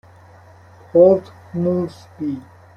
پورت مورسبی